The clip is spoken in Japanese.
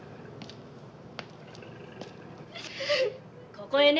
ここへね